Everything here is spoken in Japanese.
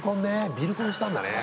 ビル婚したんだね。